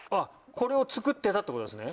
これを作ってたってことなんですね？